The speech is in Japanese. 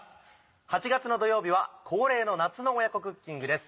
８月の土曜日は恒例の夏の親子クッキングです。